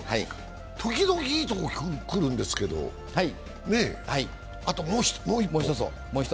時々いいところに来るんですけど、あともう一歩。